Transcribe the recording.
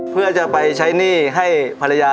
เพื่อจะไปใช้หนี้ให้ภรรยา